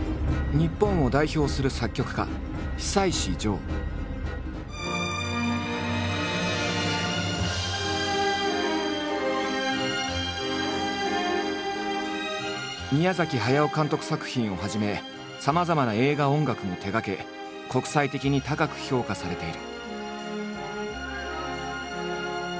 日本を代表する宮駿監督作品をはじめさまざまな映画音楽も手がけ国際的に高く評価されている。